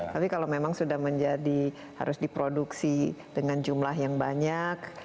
tapi kalau memang sudah menjadi harus diproduksi dengan jumlah yang banyak